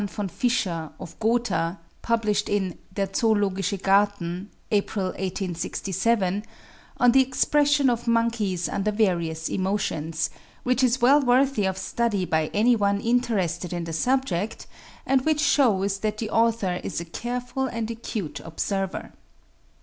von Fischer, of Gotha, published in 'Der Zoologische Garten,' April 1876, on the expression of monkeys under various emotions, which is well worthy of study by any one interested in the subject, and which shews that the author is a careful and acute observer.